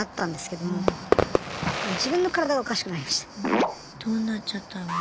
どうなっちゃったの？